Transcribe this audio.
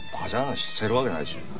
してるわけないし。